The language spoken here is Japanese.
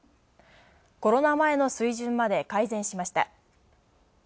コロナ前の水準まで改善しました。